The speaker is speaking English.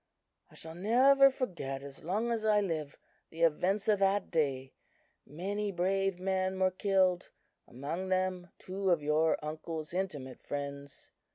"I shall never forget, as long as I live, the events of that day. Many brave men were killed; among them two of your uncle's intimate friends.